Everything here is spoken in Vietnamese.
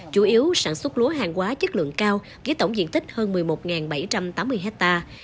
chủ yếu sản xuất lúa hàng quá chất lượng cao với tổng diện tích hơn một mươi một bảy trăm tám mươi hectare